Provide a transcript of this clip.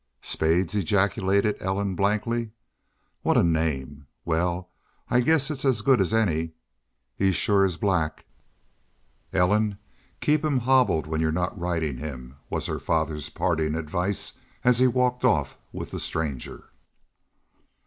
"Spades?" ejaculated Ellen, blankly. "What a name! ... Well, I guess it's as good as any. He's shore black." "Ellen, keep him hobbled when you're not ridin' him," was her father's parting advice as he walked off with the stranger.